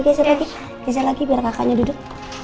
keser lagi biar kakaknya duduk